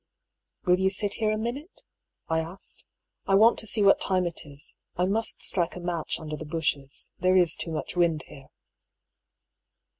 " Will you sit here a minute ?" I asked. " I want to see what time it is. I must strike a match under the bushes — there is too much wind here."